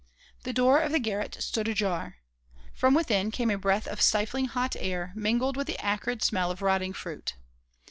The door of the garret stood ajar. From within came a breath of stifling hot air, mingled with the acrid smell of rotting fruit.